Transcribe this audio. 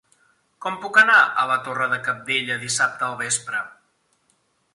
Com puc anar a la Torre de Cabdella dissabte al vespre?